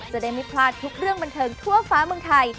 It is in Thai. จะได้ไม่พลาดทุกเรื่องบันเทิงทั่วฟ้าเมืองไทย